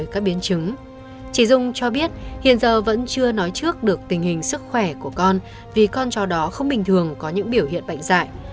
các chị dung cho biết hiện giờ vẫn chưa nói trước được tình hình sức khỏe của con vì con cháu đó không bình thường có những biểu hiện bệnh dạy